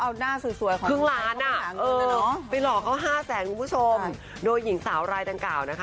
เขาเอาหน้าสวยของเงินอ่ะไปหลอกเขา๕๐๐๐๐๐คุณผู้ชมโดยหญิงสาวรายดังกล่าวนะคะ